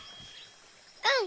うん！